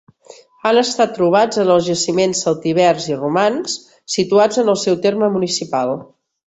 Han estat trobats en els jaciments celtibers i romans situats en el seu terme municipal.